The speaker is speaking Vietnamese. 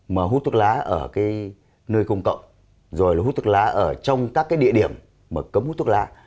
mà hút thuốc lá ở cái nơi công cộng rồi hút thuốc lá ở trong các cái địa điểm mà cấm hút thuốc lá